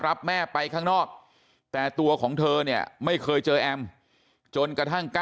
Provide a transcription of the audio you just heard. รับแม่ไปข้างนอกแต่ตัวของเธอเนี่ยไม่เคยเจอแอมจนกระทั่ง๙